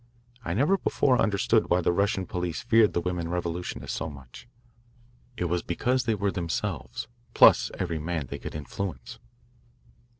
I never before understood why the Russian police feared the women revolutionists so much. It was because they were themselves, plus every man they could influence.